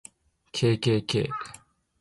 kkk